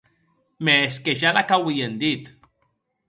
Mès que ja l'ac auien dit.